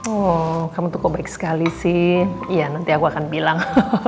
oh kamu tuh kok baik sekali sih iya nanti aku akan bilang